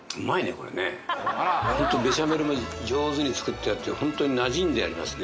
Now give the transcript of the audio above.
これねホントベシャメルが上手に作ってあってホントになじんでありますね